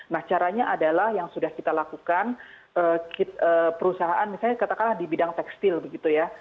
nah caranya adalah yang sudah kita lakukan perusahaan misalnya katakanlah di bidang tekstil begitu ya